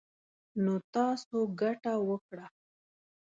نـو تـاسو ګـټـه وكړه.